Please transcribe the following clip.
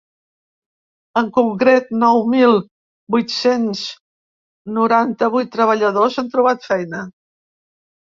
En concret, nou mil vuit-cents noranta-vuit treballadors han trobat feina.